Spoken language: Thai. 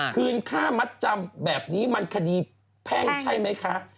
คืนค่ามัดจำแบบนี้มันคดีแพ่งใช่ไหมคะ